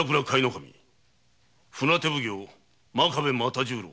守船手奉行真壁又十郎！